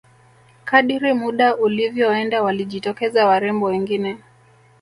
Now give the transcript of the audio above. kadiri muda ulivyoenda walijitokeza warembo wengine